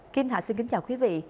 kim hạ xin kính chào quý vị